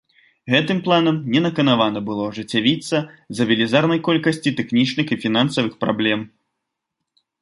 Гэтым планам не наканавана было ажыццявіцца з-за велізарнай колькасці тэхнічных і фінансавых праблем.